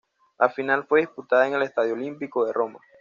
La final fue disputada en el Estadio Olímpico de Roma.